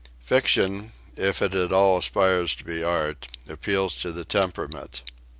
Fiction if it at all aspires to be art appeals to temperament.